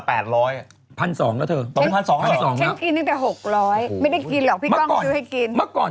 พันสองแล้วเธอพันสองแล้วพันสองแล้วฉันกินตั้งแต่๖๐๐ไม่ได้กินหรอกพี่ก้องซื้อให้กิน